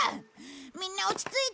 みんな落ち着いて。